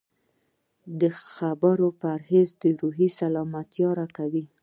د خبرو پرهېز روحي سلامتیا راکوي.